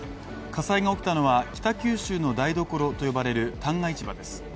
火災が起きたのは北九州の台所と呼ばれる旦過市場です。